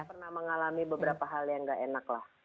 saya pernah mengalami beberapa hal yang gak enak lah